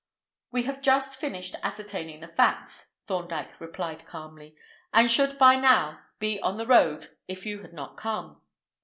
"We have just finished ascertaining the facts," Thorndyke replied calmly, "and should by now be on the road if you had not come."